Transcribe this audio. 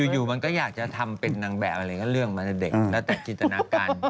อยู่มันก็อยากจะทำเป็นนางแบบอะไรก็เรื่องมาแต่เด็กแล้วแต่จินตนาการ